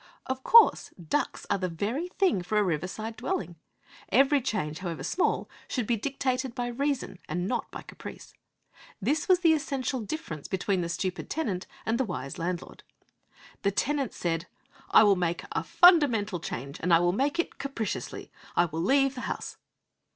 Of course, ducks are the very thing for a riverside dwelling. Every change, however small, should be dictated by reason and not by caprice. This was the essential difference between the stupid tenant and the wise landlord. The tenant said, 'I will make a fundamental change, and I will make it capriciously I will leave the house!'